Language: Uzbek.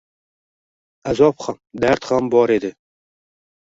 Azob ham, dard ham bor edi.